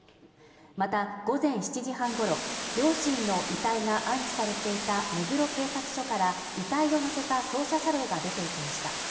また午前７時半ごろ、両親の遺体が安置されていた目黒警察署から遺体を乗せた捜査車両が出て行きました。